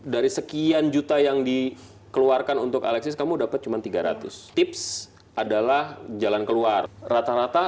dari sekian juta yang dikeluarkan untuk alexis kamu dapat cuma tiga ratus tips adalah jalan keluar rata rata